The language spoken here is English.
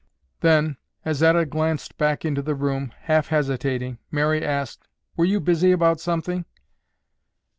Then, as Etta glanced back into the room, half hesitating, Mary asked, "Were you busy about something?"